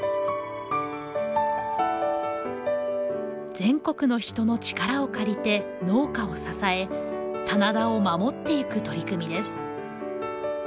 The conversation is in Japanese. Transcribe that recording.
全国の人の力を借りて農家を支え棚田を守っていく取り組みです。